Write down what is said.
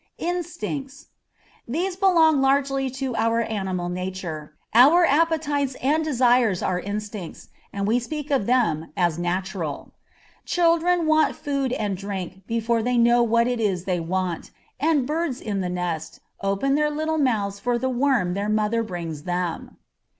Instincts. These belong largely to our animal nature; our appetites and desires are instincts, and we speak of them as "natural." Children want food and drink before they know what it is they want, and birds in the nest, open their little mouths for the worm their mother brings them.